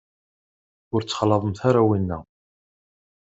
Ur ttxalaḍemt ara winna.